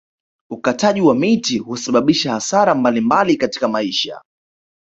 Ukataji wa miti husababisha hasara mbalimbali katika maisha